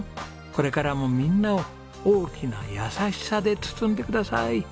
これからもみんなを大きな優しさで包んでください。